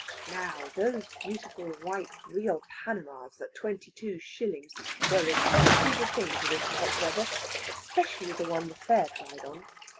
Now, those beautiful white real panamas, at twenty two shillings, were exactly the thing for this hot weather, especially the one the fare tried on.